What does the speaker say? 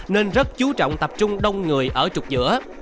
nên rất chú trọng tập trung đông người ở trục giữa